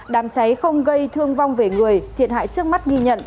đám cháy không gây thương vong về người thiệt hại trước mắt ghi nhận